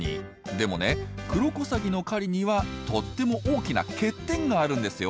でもねクロコサギの狩りにはとっても大きな欠点があるんですよ。